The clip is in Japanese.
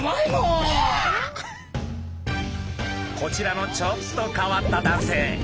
こちらのちょっと変わった男性。